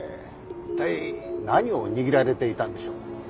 一体何を握られていたんでしょう？